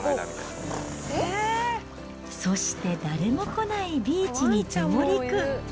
そして誰も来ないビーチに上陸。